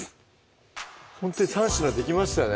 ほんとに３品できましたね